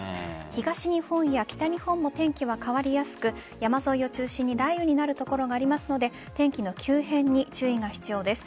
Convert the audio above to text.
東日本や北日本も天気は変わりやすく山沿いを中心に雷雨になる所がありますので天気の急変に注意が必要です。